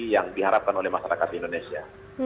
yang diharapkan oleh masyarakat indonesia